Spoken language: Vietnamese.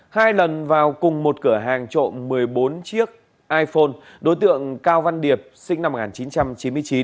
hai lần vào cùng một cửa hàng trộm một mươi bốn chiếc iphone đối tượng cao văn điệp sinh năm một nghìn chín trăm chín mươi chín